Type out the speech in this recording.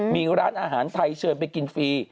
มีร้านอาหารไทยเชิญไปกินฟรี